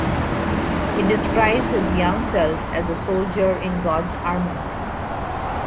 He describes his young self as a "soldier in God's army".